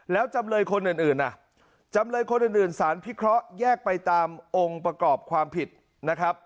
แล้วจำเลยคนอื่นจำเลยคนอื่นสารพิเคราะห์แยกไปตามองค์ประกอบความผิดนะครับ